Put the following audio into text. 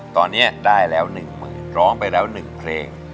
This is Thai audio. ตอนนี้ได้แล้วหนึ่งหมื่นร้องไปแล้วหนึ่งเพลง